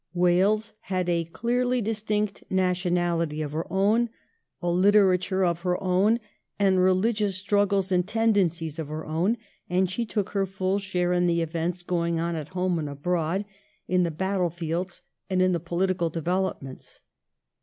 Wales had a clearly distinct nationality of her own, a literature of her own, and religious struggles and tendencies of her own ; and she took her full share in the events going on at home and abroad, in the battlefields, and in the political developments.